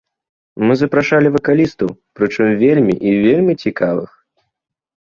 Мы запрашалі вакалістаў, прычым, вельмі і вельмі цікавых!